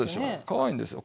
かわいいんですよ。